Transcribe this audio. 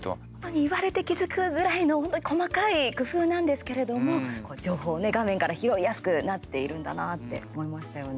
言われて気付くぐらいの本当に細かい工夫なんですけれども情報をね、画面から拾いやすくなっているんだなって思いましたよね。